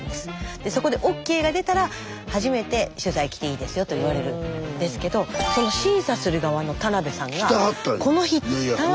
でそこでＯＫが出たら初めて取材来ていいですよと言われるんですけどその審査する側の田辺さんが。来てはったんや。